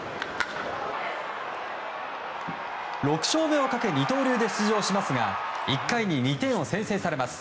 ６勝目をかけ二刀流で出場しますが１回に２点を先制されます。